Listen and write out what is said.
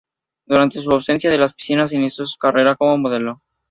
Durante su ausencia de las piscinas inició una carrera como modelo.